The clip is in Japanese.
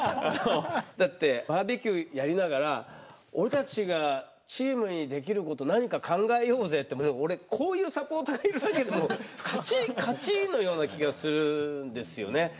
だってバーベキューやりながら俺たちがチームにできること何か考えようぜってもう俺こういうサポーターがいるだけでも勝ちのような気がするんですよね。